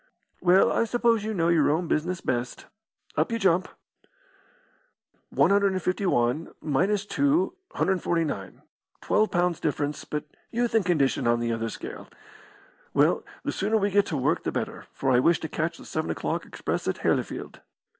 "Well, I suppose you know your own business best. Up you jump. One hundred and fifty one, minus two, 149 12lbs. difference, but youth and condition on the other scale. Well, the sooner we get to work the better, for I wish to catch the seven o'clock express at Hellifield.